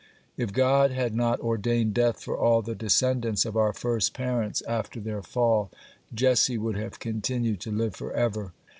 (7) If God had not ordained death for all the descendants of our first parents after their fall, Jesse would have continued to live forever.